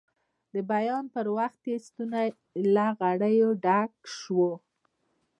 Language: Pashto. د بیان پر وخت یې ستونی له غریو ډک شو.